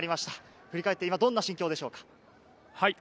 振り替えって、どんな心境でしょうか？